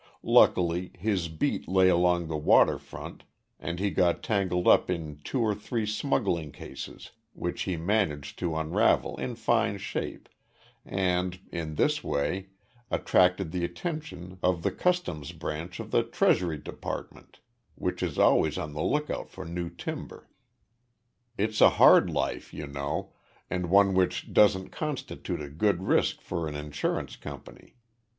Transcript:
Luckily, his beat lay along the water front and he got tangled up in two or three smuggling cases which he managed to unravel in fine shape, and, in this way, attracted the attention of the Customs Branch of the Treasury Department, which is always on the lookout for new timber. It's a hard life, you know, and one which doesn't constitute a good risk for an insurance company.